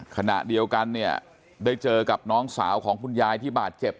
ขณะเดียวกันเนี่ยได้เจอกับน้องสาวของคุณยายที่บาดเจ็บ